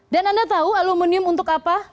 dan anda tahu aluminium untuk apa